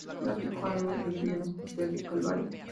En el ático hay un relieve y una escultura del Calvario.